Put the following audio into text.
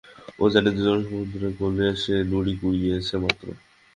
ও জানে যে, জ্ঞানসমুদ্রের কূলে সে নুড়ি কুড়িয়েছে মাত্র।